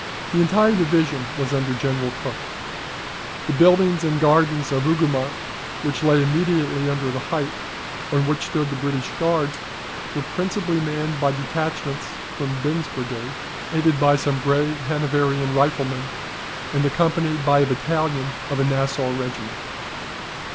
The entire division was under General Cooke. The buildings and gardens of Hougoumont, which lay immediately under the height, on which stood the British Guards, were principally manned by detachments from Byng's Brigade, aided by some brave Hanoverian riflemen, and accompanied by a battalion of a Nassau regiment.